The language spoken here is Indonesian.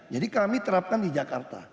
jadi kami terapkan di jakarta